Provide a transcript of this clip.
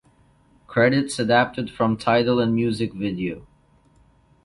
Credits adapted from Tidal and music video.